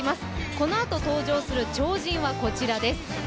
このあと登場する超人はこちらです。